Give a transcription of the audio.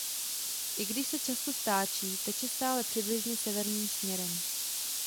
I když se často stáčí teče stále přibližně severním směrem.